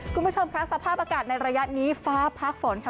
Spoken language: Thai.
คุณผู้ชมค่ะสภาพอากาศในระยะนี้ฟ้าพักฝนค่ะ